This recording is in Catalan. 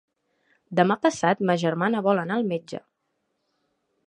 Demà passat ma germana vol anar al metge.